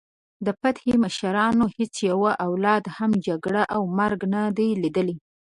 د فتح د مشرانو هیڅ یوه اولاد هم جګړه او مرګ نه دی لیدلی.